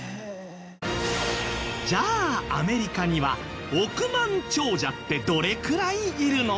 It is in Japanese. じゃあアメリカには億万長者ってどれくらいいるの？